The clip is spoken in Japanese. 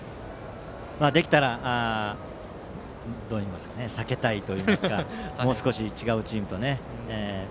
できたら、避けたいといいますかもう少し違うチームとね。